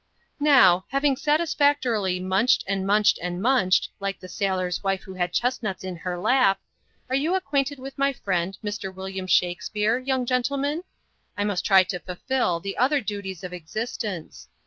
"Now, having satisfactorily 'munched, and munched, and munched,' like the sailor's wife who had chestnuts in her lap are you acquainted with my friend, Mr. William Shakspeare, young gentleman? I must try to fulfil the other duties of existence.